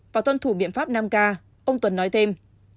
và tuân thủ biện pháp năm k ông tuần nói thêm